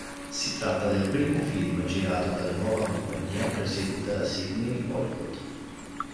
Si tratta del primo film girato dalla nuova compagnia presieduta da Sidney Olcott.